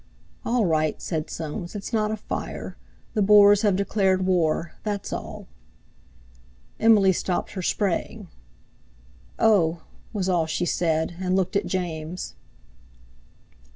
"All right!" said Soames, "it's not a fire. The Boers have declared war—that's all." Emily stopped her spraying. "Oh!" was all she said, and looked at James.